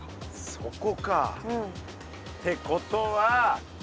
そこか。ってことは。